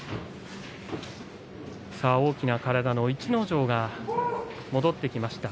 大きな体の逸ノ城が戻ってきました。